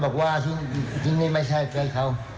คิดว่าที่นี่ไม่ใช่เค้า